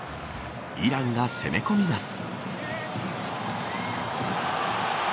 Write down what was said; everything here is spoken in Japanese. イランが攻め込みます。